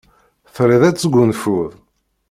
Triḍ ad tesgunfuḍ?